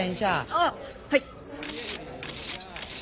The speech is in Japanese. あっはい。